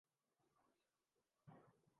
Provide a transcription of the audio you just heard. اس کا یہی نتیجہ نکل سکتا ہے جو ہم دیکھ رہے ہیں۔